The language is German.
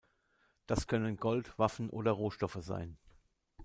Das können Gold, Waffen oder Rohstoffe sein.